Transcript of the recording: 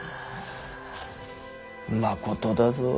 まことだぞ。